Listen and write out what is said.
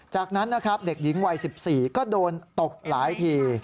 จากนั้นนะครับเด็กหญิงวัย๑๔ก็โดนตบหลายที